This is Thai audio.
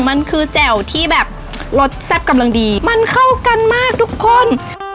มันคือแจ่วที่แบบรสแซ่บกำลังดีมันเข้ากันมากทุกคน